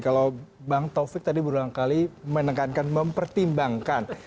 kalau bang taufik tadi berulang kali menekankan mempertimbangkan